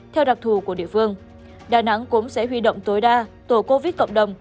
theo đặc thù của địa phương đà nẵng cũng sẽ huy động tối đa tổ covid cộng đồng